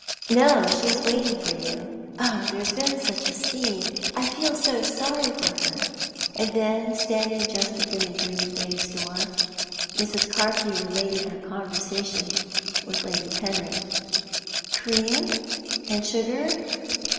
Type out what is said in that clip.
"No. She is waiting for you. Oh, there has been such a scene. I feel so sorry for her." ''So we but meet not part again" 233 And then, standing just within the green baize door, Mrs. Ciirpew related her conversation with Lady Penrith. "Cream — and sugar?"